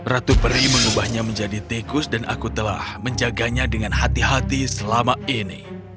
ratu peri mengubahnya menjadi tikus dan aku telah menjaganya dengan hati hati selama ini